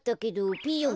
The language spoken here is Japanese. ピーヨン！